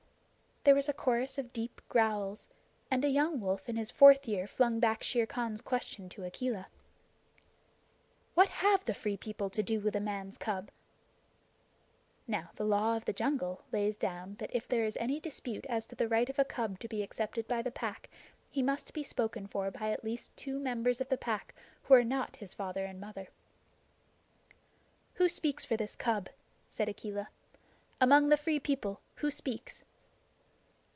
There was a chorus of deep growls, and a young wolf in his fourth year flung back Shere Khan's question to Akela: "What have the Free People to do with a man's cub?" Now, the Law of the Jungle lays down that if there is any dispute as to the right of a cub to be accepted by the Pack, he must be spoken for by at least two members of the Pack who are not his father and mother. "Who speaks for this cub?" said Akela. "Among the Free People who speaks?"